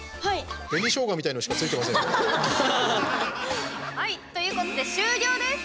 紅しょうがみたいなのしかついてませんよ。ということで終了です。